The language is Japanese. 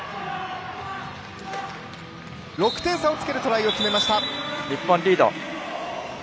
６点差をつけるトライを決めました。